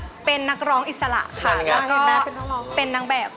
นั่นไงเป็นนักร้องอิสระค่ะเป็นนางแบบ